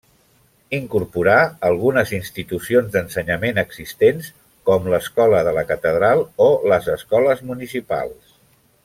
Incorporà algunes institucions d'ensenyament existents, com l'escola de la Catedral o les escoles municipals.